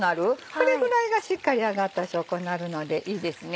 これぐらいがしっかり揚がった証拠になるのでいいですね。